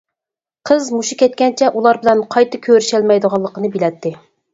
قىز مۇشۇ كەتكەنچە ئۇلار بىلەن قايتا كۆرۈشەلمەيدىغانلىقىنى بىلەتتى.